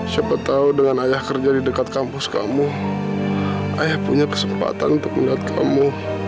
siapa tahu dengan ayah kerja di dekat kampus kamu ayah punya kesempatan untuk melihat kamu